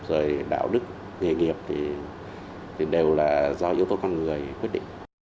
rồi đạo đức nghề nghiệp thì đều là do yếu tố con người quyết định